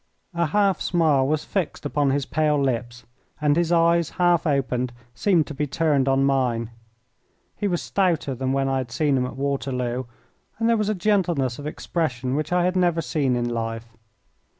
A half smile was fixed upon his pale lips, and his eyes, half opened, seemed to be turned on mine. He was stouter than when I had seen him at Waterloo, and there was a gentleness of expression which I had never seen in life.